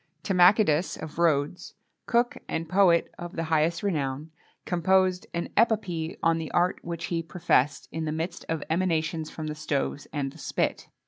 Timachidas of Rhodes, cook and poet of the highest renown, composed an epopee on the art which he professed, in the midst of emanations from the stoves and the spit.